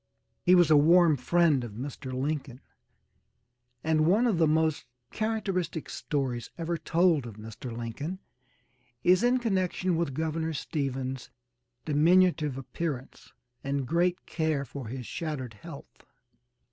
He was a warm friend of Mr. Lincoln, and one of the most characteristic stories ever told of Mr. Lincoln is in connection with Governor Stephens' diminutive appearance and great care for his shattered health.